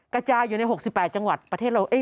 กระจายอยู่ใน๖๘จังหวัดประเทศเรา